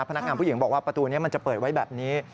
พนักงานผู้หญิงบอกว่าประตูนี้มันจะเปิดไว้แบบนี้